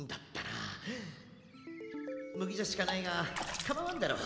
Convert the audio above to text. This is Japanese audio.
むぎちゃしかないがかまわんだろう。